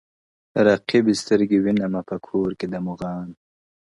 رقیبي سترګي وینمه په کور کي د مُغان-